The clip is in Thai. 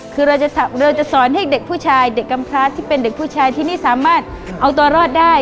คือเราจะสอนให้เด็กผู้ชายเด็กกำพลาสที่เป็นเด็กผู้ชายที่ไม่สามารถเอาตัวรอดได้